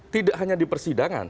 tidak hanya di persidangan